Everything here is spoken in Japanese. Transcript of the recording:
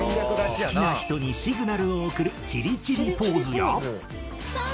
好きな人にシグナルを送るチリチリポーズや。